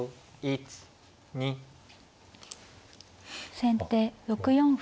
先手６四歩。